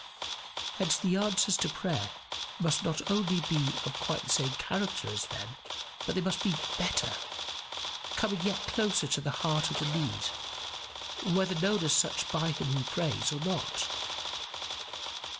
Hence the answers to prayer must not only not be of quite the same character as then, but they must be better, coming yet closer to the heart of the need, whether known as such by him who prays, or not.